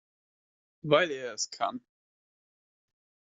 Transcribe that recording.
Weil er es kann.